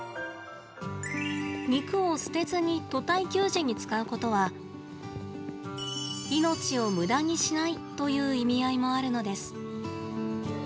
肉を捨てずにと体給餌に使うことは命をむだにしないという意味合いもあるのです。